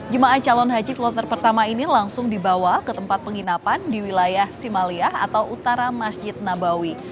jemaah calon haji kloter pertama ini langsung dibawa ke tempat penginapan di wilayah simaliyah atau utara masjid nabawi